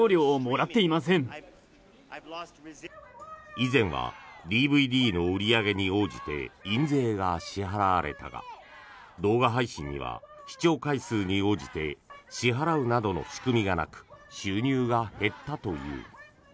以前はＤＶＤの売り上げに応じて印税が支払われたが動画配信には視聴回数に応じて支払うなどの仕組みがなく収入が減ったという。